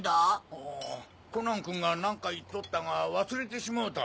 あコナンくんが何か言っとったが忘れてしもうた。